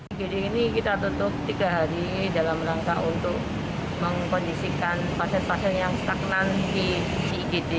igd ini kita tutup tiga hari dalam rangka untuk mengkondisikan pasien pasien yang stagnan di igd